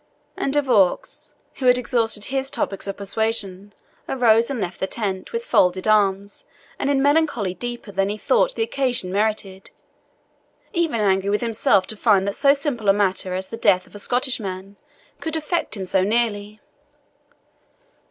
And De Vaux, who had exhausted his topics of persuasion, arose and left the tent, with folded arms, and in melancholy deeper than he thought the occasion merited even angry with himself to find that so simple a matter as the death of a Scottish man could affect him so nearly.